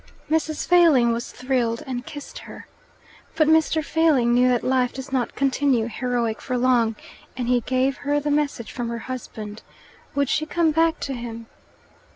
Mrs. Failing was thrilled, and kissed her. But Mr. Failing knew that life does not continue heroic for long, and he gave her the message from her husband: Would she come back to him?